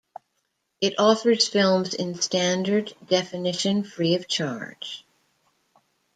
It offers films in standard definition free of charge.